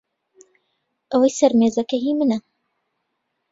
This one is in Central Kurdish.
ئەوەی سەر مێزەکە هی منە.